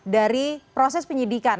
dari proses penyidikan